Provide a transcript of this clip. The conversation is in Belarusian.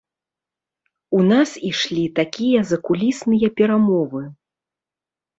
У нас ішлі такія закулісныя перамовы.